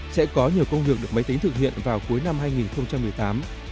sẽ có nhiều công việc được máy tính thực hiện vào cuối năm hai nghìn một mươi tám